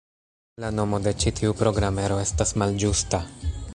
La nomo de ĉi tiu programero estas malĝusta.